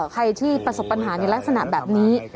ใครที่ประสบปัญหาในลักษณะแบบนี้